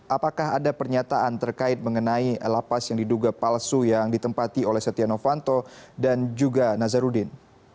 apakah ada pernyataan terkait mengenai lapas yang diduga palsu yang ditempati oleh setia novanto dan juga nazarudin